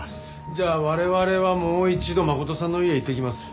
じゃあ我々はもう一度真琴さんの家へ行ってきます。